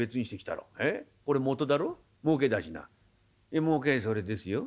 もうけそれですよ」。